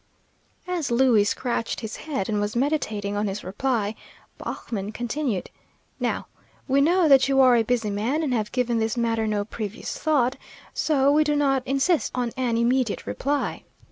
As Louie scratched his head and was meditating on his reply, Baughman continued: "Now, we know that you are a busy man, and have given this matter no previous thought, so we do not insist on an immediate reply.